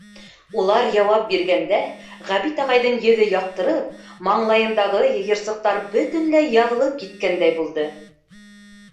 Улар яуап биргәндә, Ғәбит ағайҙың йөҙө яҡтырып, маңлайындағы йыйырсыҡтар бөтөнләй яҙылып киткәндәй булды.